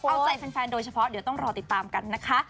เอาใจแฟนโดยเฉพาะเดี๋ยวต้องรอติดตามกันนะคะ